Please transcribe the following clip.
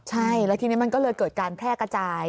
ใช่แล้วทีนี้มันก็เลยเกิดการแพร่กระจาย